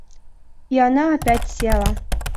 И она опять села.